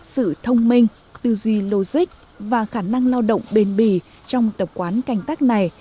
sự thông minh tư duy logic và khả năng lao động bền bì trong tập quán canh tác này